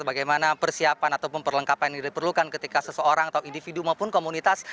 bagaimana persiapan ataupun perlengkapan yang diperlukan ketika seseorang atau individu maupun komunitas